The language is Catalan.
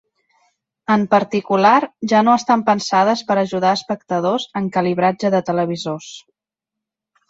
En particular, ja no estan pensades per ajudar espectadors en calibratge de televisors.